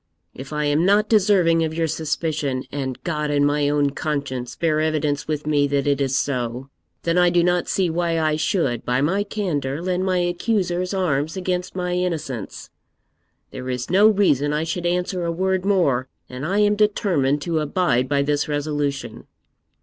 If I am not deserving of your suspicion and God and my own conscience bear evidence with me that it is so then I do not see why I should, by my candour, lend my accusers arms against my innocence. There is no reason I should answer a word more, and I am determined to abide by this resolution.'